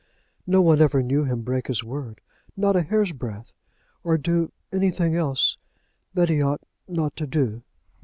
No one ever knew him break his word, not a hair's breadth, or do anything else that he ought not to do."